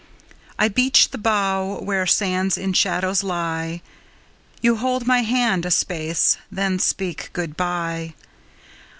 I beach the bow where sands in shadows lie; You hold my hand a space, then speak good bye.